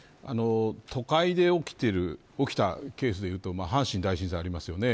都会で起きたケースでいうと阪神大震災がありますよね。